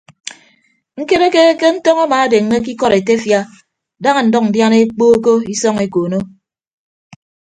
Ñkereke ke ntọñ amaadeññe ke ikọd etefia daña ndʌñ ndiana ekpookko isọñ ekoono.